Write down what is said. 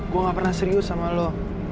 gue gak pernah serius sama lo